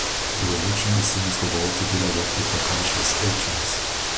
Religion assumes the world to be directed by conscious agents.